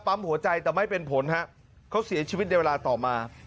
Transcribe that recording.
หัวใจแต่ไม่เป็นผลฮะเขาเสียชีวิตในเวลาต่อมา